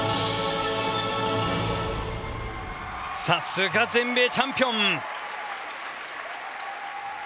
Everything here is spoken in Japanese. さすが全米チャンピオン。